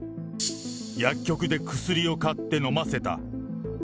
薬局で薬を買って飲ませた。